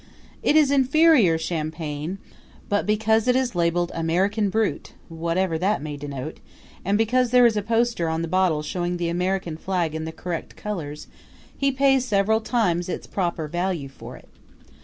It is inferior champagne; but because it is labeled American Brut what ever that may denote and because there is a poster on the bottle showing the American flag in the correct colors, he pays several times its proper value for it.